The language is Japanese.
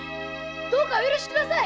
どうかお許しください！